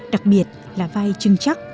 đặc biệt là vai trưng chắc